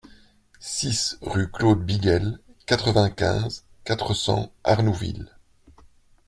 six rue Claude Bigel, quatre-vingt-quinze, quatre cents, Arnouville